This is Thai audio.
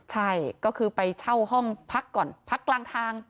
ใช่ก็คือไปเช่าห้องพักก่อนพักกลางทาง